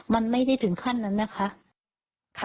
มันไม่ได้ถึงขั้นนั้นนะคะ